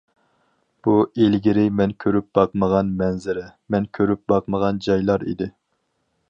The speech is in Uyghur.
بۇ ئىلگىرى مەن كۆرۈپ باقمىغان مەنزىرە، مەن كۆرۈپ باقمىغان جايلار ئىدى.